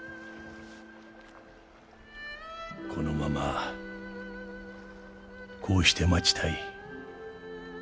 このままこうして待ちたい。